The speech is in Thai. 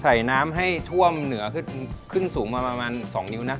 ใส่น้ำให้ท่วมเหนือขึ้นสูงมาประมาณ๒นิ้วนะ